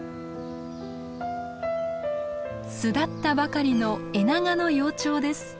巣立ったばかりのエナガの幼鳥です。